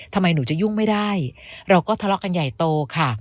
ทำไมหนูจะยุ่งไม่ได้เราก็ทะเลาะกันใหญ่โตค่ะ